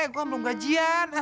gue belum gajian